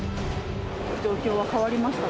状況は変わりましたか？